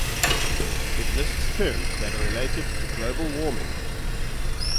It lists terms that are related to global warming.